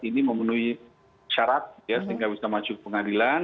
ini memenuhi syarat sehingga bisa maju ke pengadilan